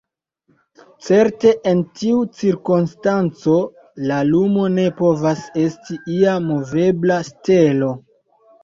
Certe en tiu cirkonstanco la lumo ne povas esti ia movebla stelo.